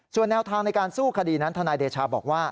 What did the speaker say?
ส่วนแนวทางในการสู้คดีนั้นทนายเดชาบอกว่า